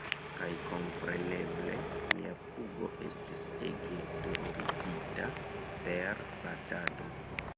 Kaj kompreneble, mia pugo... estis ege dolorigita per batado.